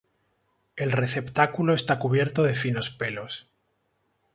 El receptáculo está cubierto de finos pelos.